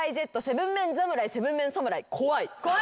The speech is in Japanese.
怖い。